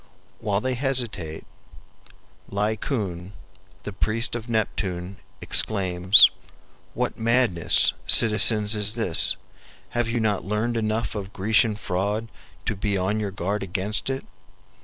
While they hesitate, Laocoon, the priest of Neptune exclaims, "What madness, citizens, is this? Have you not learned enough of Grecian fraud to be on your guard against it?